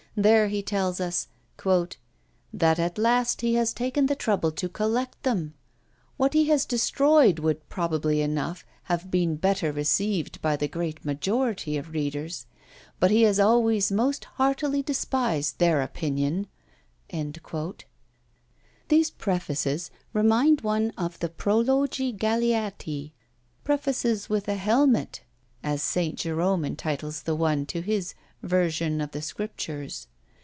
There he tells us, "that at last he has taken the trouble to collect them! What he has destroyed would, probably enough, have been better received by the great majority of readers. But he has always most heartily despised their opinion." These prefaces remind one of the prologi galeati, prefaces with a helmet! as St. Jerome entitles the one to his Version of the Scriptures.